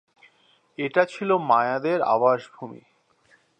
এটা ছিল মায়াদের আবাসভূমি।